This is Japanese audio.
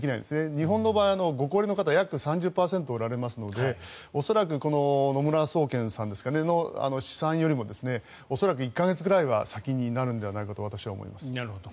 日本の場合、ご高齢の方が約３０％いらっしゃいますので恐らく野村総研さんの試算よりも恐らく１か月ぐらいは先になるのではないかと私は思います。